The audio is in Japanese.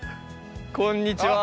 あっこんにちは。